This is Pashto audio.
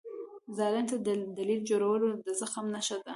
ظالم ته دلیل جوړول د زخم نښه ده.